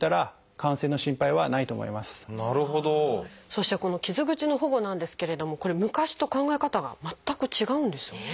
そしてこの「傷口の保護」なんですけれどもこれ昔と考え方が全く違うんですよね。